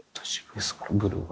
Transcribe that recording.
ブルーは。